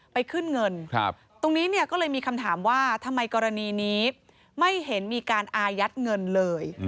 ไปขึ้นเงินตรงนี้เนี่ยก็เลยมีคำถามว่าทำไมกรณีนี้ไม่เห็นมีการอายัดเงินเลย